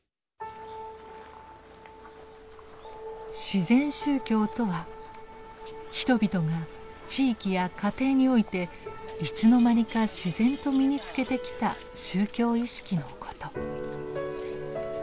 「自然宗教」とは人々が地域や家庭においていつの間にか自然と身につけてきた宗教意識のこと。